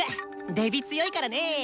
デビ強いからね。